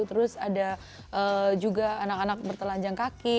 terus ada juga anak anak bertelanjang kaki